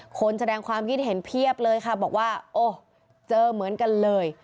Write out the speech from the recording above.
คนแสดงความคิดเห็นเพียบเลยค่ะบอกว่าโอ้เจอเหมือนกันเลย